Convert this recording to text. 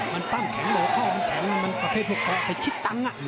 มันปั้งแข็งเหลือเข้ามันแข็งมันประเภทหกแข็งไอ้คิดตังค์อ่ะ